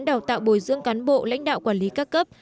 đào tạo bồi dưỡng cán bộ lãnh đạo quản lý các cấp